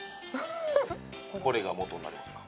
これがもとになりますか。